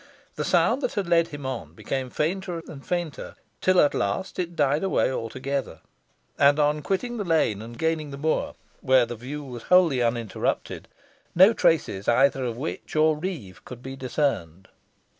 The sound that had led him on became fainter and fainter, till at last it died away altogether; and on quitting the lane and gaining the moor, where the view was wholly uninterrupted, no traces either of witch or reeve could be discerned.